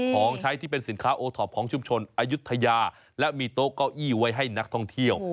ของใช้ที่เป็นสินค้าโอท็อปของชุมชนอายุทยาและมีโต๊ะเก้าอี้ไว้ให้นักท่องเที่ยว